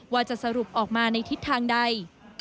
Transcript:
ว่าจะสรุปออกมาในทิศทางใด